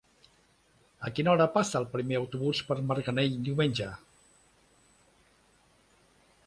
A quina hora passa el primer autobús per Marganell diumenge?